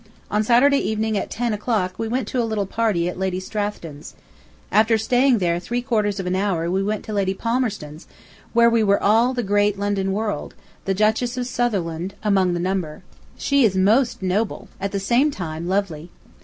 ... On Saturday evening, at ten o'clock, we went to a little party at Lady Stratheden's. After staying there three quarters of an hour we went to Lady Palmerston's, where were all the great London world, the Duchess of Sutherland among the number. She is most noble, and at the same time lovely.